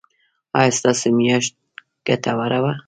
ایا ستاسو میاشت ګټوره وه؟